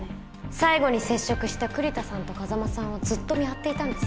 最後に接触した栗田さんと風真さんをずっと見張っていたんです。